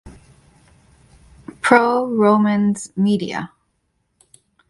Pro Romans Medea.